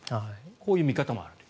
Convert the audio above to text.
こういう見方もある。